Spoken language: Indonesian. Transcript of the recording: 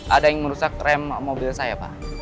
ada yang merusak rem mobil saya pak